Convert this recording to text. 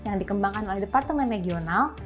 yang dikembangkan oleh departemen regional